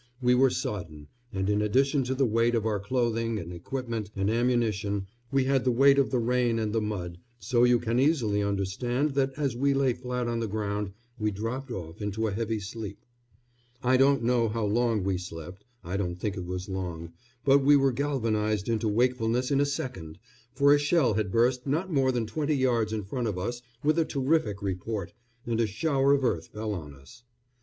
We were sodden, and in addition to the weight of our clothing and equipment and ammunition we had the weight of the rain and the mud, so you can easily understand that as we lay flat on the ground we dropped off into a heavy sleep. I don't know how long we slept I don't think it was long but we were galvanised into wakefulness in a second, for a shell had burst not more than twenty yards in front of us with a terrific report, and a shower of earth fell on us.